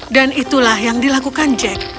itulah yang dilakukan jack